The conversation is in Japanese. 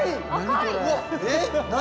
何？